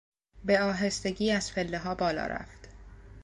به آهستگی از پله ها بالا رفت.